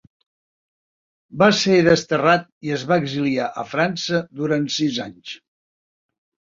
Va ser desterrat i es va exiliar a França durant sis anys.